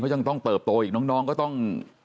ยังต้องเติบโตอีกน้องก็ต้อง